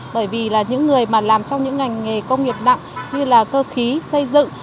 bởi vì là những người mà làm trong những ngành nghề công nghiệp nặng như là cơ khí xây dựng